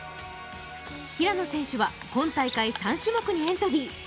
平野選手は今大会３種目にエントリー。